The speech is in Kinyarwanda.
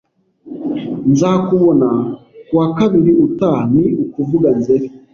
Nzakubona ku wa kabiri utaha, ni ukuvuga Nzeri.